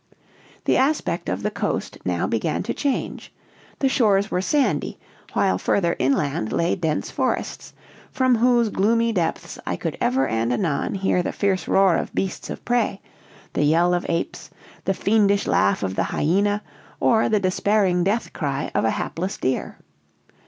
"The aspect of the coast now began to change: the shores were sandy, while further inland lay dense forests, from whose gloomy depths I could ever and anon hear the fierce roar of beasts of prey, the yell of apes, the fiendish laugh of the hyena, or the despairing death cry of a hapless deer.